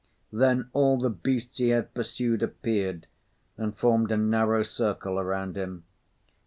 Then all the beasts he had pursued appeared, and formed a narrow circle around him.